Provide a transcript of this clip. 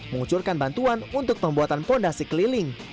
mengucurkan bantuan untuk pembuatan fondasi keliling